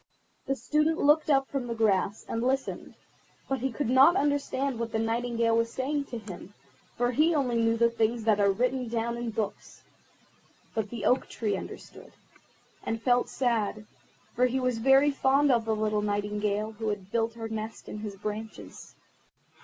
The Student looked up from the grass, and listened, but he could not understand what the Nightingale was saying to him, for he only knew the things that are written down in books. But the Oak tree understood, and felt sad, for he was very fond of the little Nightingale who had built her nest in his branches.